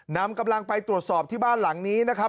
นำกำลังไปตรวจสอบที่บ้านหลังนี้นะครับ